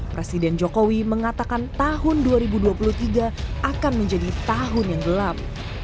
presiden jokowi mengatakan tahun dua ribu dua puluh tiga akan menjadi tahun yang gelap